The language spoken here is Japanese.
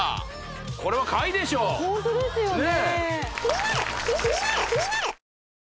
これは買いでしょうホントですよね